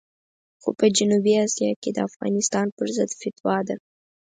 خو په جنوبي اسیا کې د افغانستان پرضد فتوا ده.